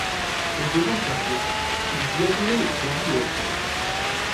Lourdement chargés, ils y amenaient les produits de la ferme.